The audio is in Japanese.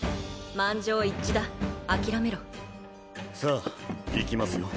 満場一致だ諦めろさあ行きますよ